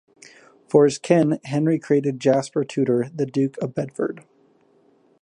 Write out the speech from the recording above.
For his kin, Henry created Jasper Tudor the Duke of Bedford.